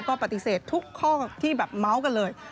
ก็ปฏิเสธทุกข้อที่แบบเมาส์กันเลย